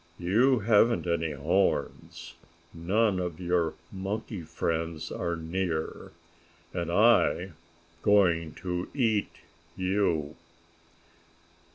You haven't any horns, none of your monkey friends are near, and I'm going to eat you!"